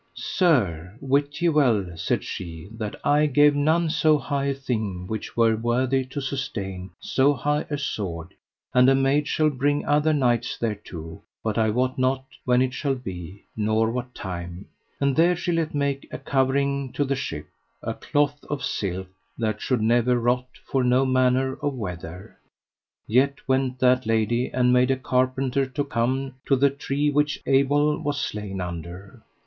Sir, wit ye well, said she, that I have none so high a thing which were worthy to sustain so high a sword, and a maid shall bring other knights thereto, but I wot not when it shall be, nor what time. And there she let make a covering to the ship, of cloth of silk that should never rot for no manner of weather. Yet went that lady and made a carpenter to come to the tree which Abel was slain under.